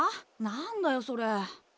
何だよそれ。